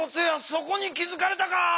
そこに気づかれたか。